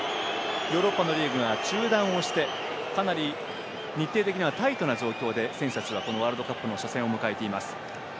ヨーロッパのリーグが中断をしてかなり日程的にはタイトな状況で選手たちはこのワールドカップの初戦を迎えています。